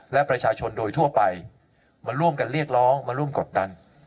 และประชาชนโดยทั่วไปมาร่วมกันเรียกร้องมาร่วมกดดัน